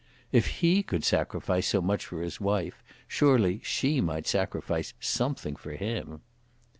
If he could sacrifice so much for his wife, surely she might sacrifice something for him.